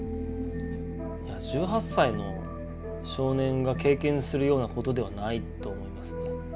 １８歳の少年が経験するようなことではないと思いますね。